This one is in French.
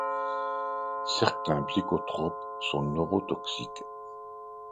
Certains psychotropes sont neurotoxiques.